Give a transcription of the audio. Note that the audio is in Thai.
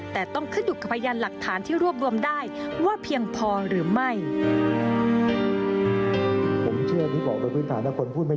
แต่ต้องขึ้นอยู่กับพยานหลักฐานที่รวบรวมได้ว่าเพียงพอหรือไม่